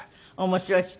面白い人。